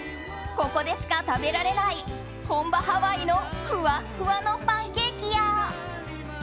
ここでしか食べられない本場ハワイのふわっふわのパンケーキや。